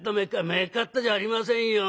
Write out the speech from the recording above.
「めっかったじゃありませんよ。